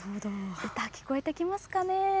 歌、聞こえてきますかね。